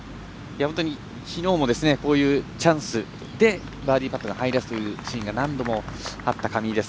きのうも、こういうチャンスでバーディーパットが入らずというショットが何度もあった上井です。